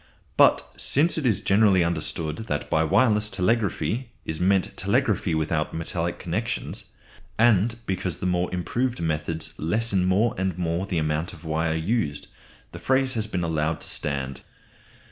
But since it is generally understood that by wireless telegraphy is meant telegraphy without metal connections, and because the more improved methods lessen more and more the amount of wire used, the phrase has been allowed to stand.